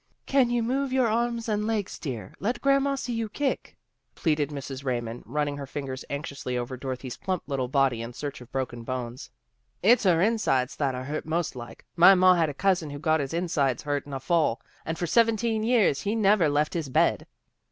" Can you move your arms and legs, dear? Let Grandma see you kick? " pleaded Mrs. Raymond, running her fingers anxiously over Dorothy's plump little body in search of broken bones. " It's her insides that are hurt, most like. My ma had a cousin who got his insides hurt in a fall, and for seventeen years he never left his bed."